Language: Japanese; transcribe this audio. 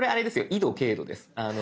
緯度・経度です。